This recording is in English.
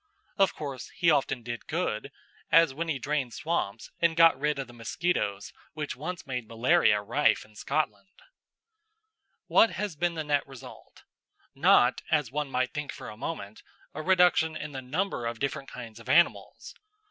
Of course, he often did good, as when he drained swamps and got rid of the mosquitoes which once made malaria rife in Scotland. What has been the net result? Not, as one might think for a moment, a reduction in the number of different kinds of animals.